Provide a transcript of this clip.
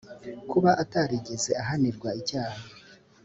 kuba atarigeze ahanirwa icyaha